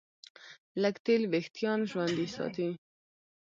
لږ تېل وېښتيان ژوندي ساتي.